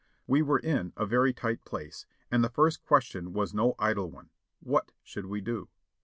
We were in a very tight place, and the first question was no idle one: what should we do?